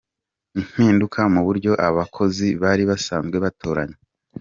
Impinduka mu buryo abakozi bari basanzwe batoranywa.